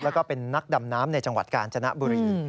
แล้วก็เป็นนักดำน้ำในจังหวัดกาญจนบุรี